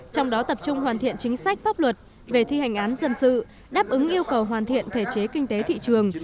trong đó tập trung hoàn thiện chính sách pháp luật về thi hành án dân sự đáp ứng yêu cầu hoàn thiện thể chế kinh tế thị trường